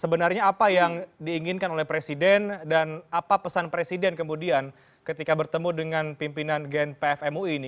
sebenarnya apa yang diinginkan oleh presiden dan apa pesan presiden kemudian ketika bertemu dengan pimpinan gnpf mui ini